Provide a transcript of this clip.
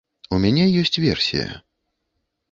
У мяне ёсць версія.